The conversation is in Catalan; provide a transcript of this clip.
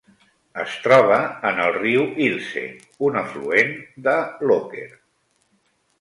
Es troba en el riu "Ilse", un afluent de l'Oker.